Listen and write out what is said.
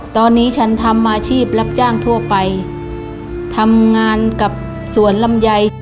ตอนนี้ฉันทำอาชีพรับจ้างทั่วไปทำงานกับสวนลำไย